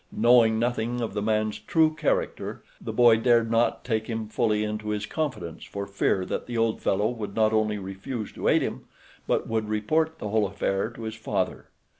Knowing nothing of the man's true character the boy dared not take him fully into his confidence for fear that the old fellow would not only refuse to aid him, but would report the whole affair to his father.